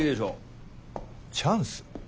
チャンス？